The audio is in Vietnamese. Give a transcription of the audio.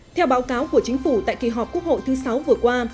theo báo cáo của chính phủ tại kỳ họp quốc hội thứ sáu vừa qua